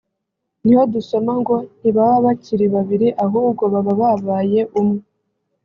niho dusoma ngo “ntibaba bakiri babiri ahubwo baba babaye umwe